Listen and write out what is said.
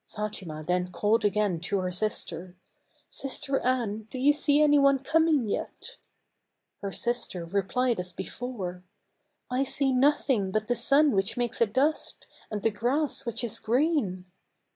Fatima then called again to her sister " Sister Anne, do you see any one coming yet?" Her sister replied as before, " I see nothing but the sun which makes a dust, and the grass which is green."